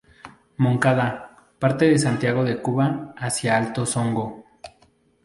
Moncada parte de Santiago de Cuba hacia Alto Songo.